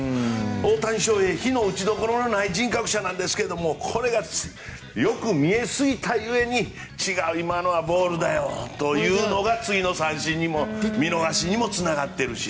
大谷翔平非の打ちどころがないんですがボールがよく見えすぎたゆえに違う、今のはボールだよというのが次の三振、見逃しにもつながっているし。